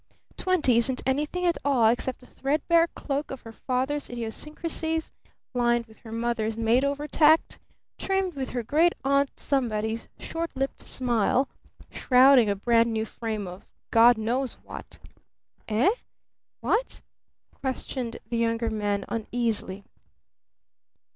"Twenty isn't anything at all except the threadbare cloak of her father's idiosyncrasies, lined with her mother's made over tact, trimmed with her great aunt somebody's short lipped smile, shrouding a brand new frame of God knows what!" "Eh? What?" questioned the Younger Man uneasily.